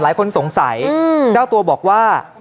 หลายคนสงสัยเจ้าตัวบอกว่า